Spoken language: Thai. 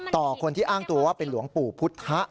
ต่อคนที่อ้างตัวว่าเป็นหลวงปู่พุทธะ